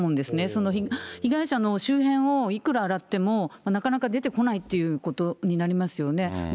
その被害者の周辺をいくら洗っても、なかなか出てこないということになりますよね。